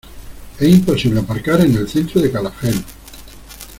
Es imposible aparcar en el centro de Calafell.